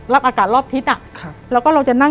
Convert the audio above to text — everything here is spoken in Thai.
ลักษณะนั้น